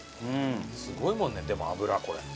すごいもんねでも脂これ。